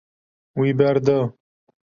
Wî berda.